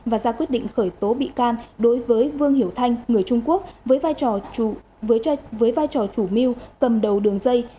và ra quyết định khởi tố bị can đối với vương hiểu thanh người trung quốc với vai trò chủ mưu cầm đầu đường dây